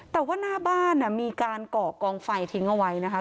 แต่ว่าหน้าบ้านมีการเกาะกองไฟทิ้งเอาไว้นะคะ